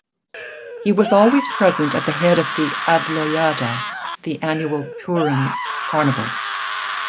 He was always present at the head of the "Adloyada", the annual Purim carnival.